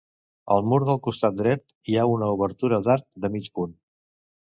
Al mur del costat dret hi ha una obertura d'arc de mig punt.